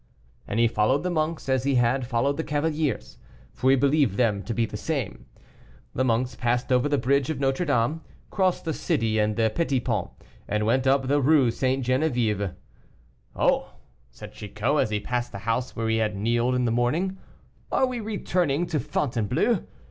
And he followed the monks as he had followed the cavaliers, for he believed them to be the same. The monks passed over the bridge of Notre Dame, crossed the city and the petit pont, and went up the Rue St. Geneviève. "Oh!" said Chicot, as he passed the house where he had kneeled in the morning, "are we returning to Fontainebleau?